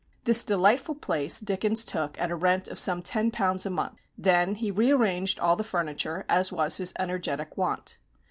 This delightful place Dickens took at a rent of some £10 a month. Then he re arranged all the furniture, as was his energetic wont.